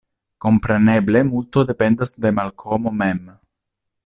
Kompreneble multo dependas de Malkomo mem.